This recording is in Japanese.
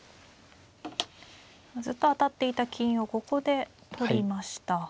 ずっと当たっていた金をここで取りました。